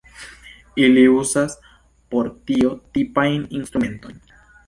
Ili uzas por tio tipajn instrumentojn.